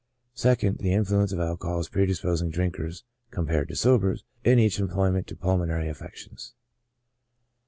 2nd. The influence of alcohol as predisposing drinkers (compared to sobers) in each employment to pulmonary affections.